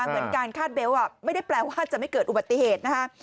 เหมือนการคาดเบลต์ไม่ได้แปลว่าจะไม่เกิดอุบัติเหตุนะคะ